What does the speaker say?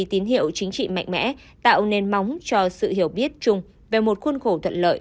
tín hiệu chính trị mạnh mẽ tạo nền móng cho sự hiểu biết chung về một khuôn khổ thuận lợi